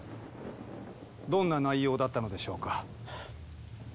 どんな内容だったのでしょうか？